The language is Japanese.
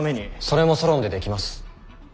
それもソロンでできます。